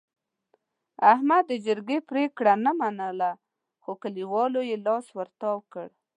احمد د جرګې پرېګړه نه منله، خو کلیوالو یې لاس ورتاو کړ.